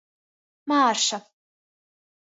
Mārša.